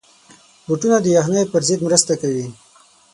بوټونه د یخنۍ پر ضد مرسته کوي.